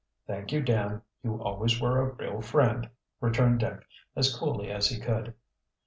"Thank you, Dan, you always were a real friend," returned Dick, as coolly as he could.